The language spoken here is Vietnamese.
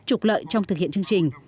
trục lợi trong thực hiện chương trình